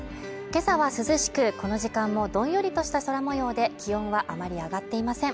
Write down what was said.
今朝は涼しくこの時間もどんよりとした空模様で気温はあまり上がっていません